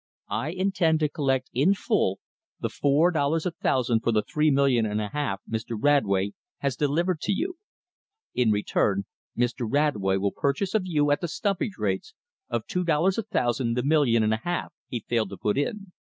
I intend to collect in full the four dollars a thousand for the three million and a half Mr. Radway has delivered to you. In return Mr. Radway will purchase of you at the stumpage rates of two dollars a thousand the million and a half he failed to put in.